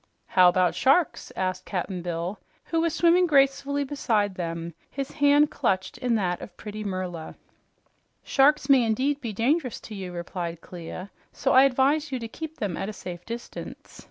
"How about sharks?" asked Cap'n Bill, who was swimming gracefully beside them, his hand clutched in that of pretty Merla. "Sharks may indeed be dangerous to you," replied Clia, "so I advise you to keep them at a safe distance.